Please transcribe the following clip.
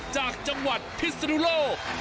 จากจังหวัดพิศนุโลก